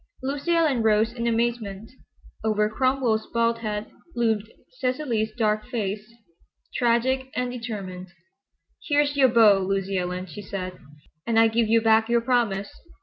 Lucy Ellen rose in amazement. Over Cromwell's bald head loomed Cecily's dark face, tragic and determined. "Here's your beau, Lucy Ellen," she said, "and I give you back your promise."